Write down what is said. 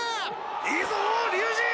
いいぞ龍二！